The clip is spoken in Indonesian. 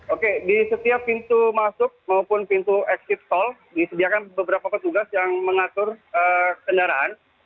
oke di setiap pintu masuk maupun pintu exit tol disediakan beberapa petugas yang mengatur kendaraan